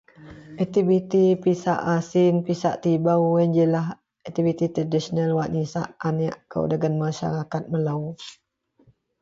aktivity pisak asin, pisak tibou ien ji lah aktivity tradisional wak nisak anek kou dagen masyarakat melou